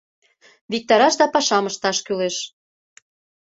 — Виктараш да пашам ышташ кӱлеш.